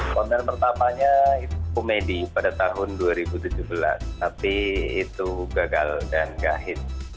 konten pertamanya itu komedi pada tahun dua ribu tujuh belas tapi itu gagal dan gahis